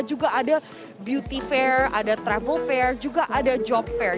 juga ada beauty fair ada travel fair juga ada job fair